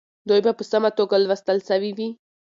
دوی به په سمه توګه لوستل سوي وي.